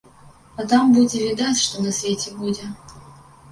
А там будзе відаць, што на свеце будзе.